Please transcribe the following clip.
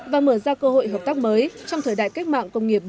và mở ra cơ hội hợp tác mới trong thời đại cách mạng công nghiệp bốn